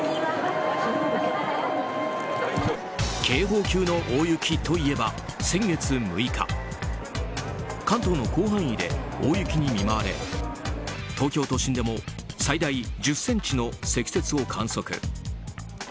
警報級の大雪といえば先月６日関東の広範囲で大雪に見舞われ東京都心でも最大１０ｃｍの積雪を観測。